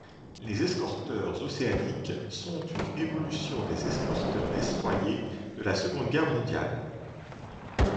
Les escorteurs océaniques sont une évolution des escorteurs destroyers de la Seconde Guerre mondiales.